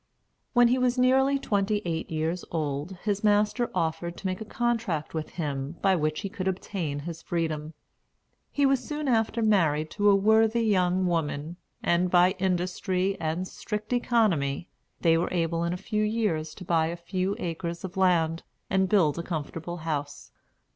When he was nearly twenty eight years old his master offered to make a contract with him by which he could obtain his freedom. He was soon after married to a worthy young woman, and by industry and strict economy they were able in a few years to buy a few acres of land, and build a comfortable house.